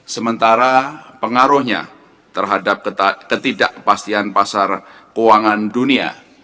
sementara pengaruhnya terhadap ketidakpastian pasar keuangan dunia